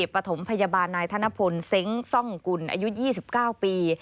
ปฐมพยาบาลนายธนพลเซ้งซ่องกุลอายุ๒๙ปี